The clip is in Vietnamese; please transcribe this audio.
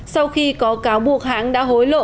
sau khi có cáo buộc hãng đã hối lộ